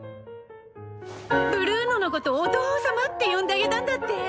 ブルーノのことお父様って呼んであげたんだって？